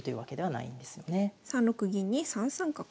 ３六銀に３三角。